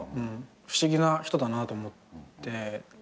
不思議な人だなと思って。